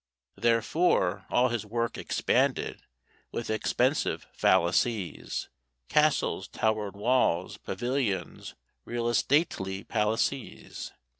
Therefore all his work expanded with expensive fallacies: Castles, towered walls, pavilions, real estately palaces.